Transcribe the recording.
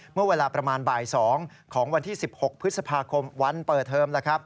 เมื่อเวลาประมาณบ่าย๒ของวันที่๑๖พฤษภาคมวันเปิดเทอมแล้วครับ